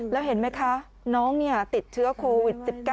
แล้วเห็นไหมครับติดเทือกโควิด๑๙